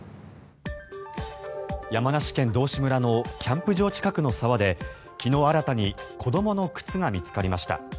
山梨県道志村のキャンプ場近くの沢で昨日新たに子どもの靴が見つかりました。